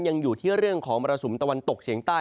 ยังอยู่ที่เรื่องของมรสุมตะวันตกเฉียงใต้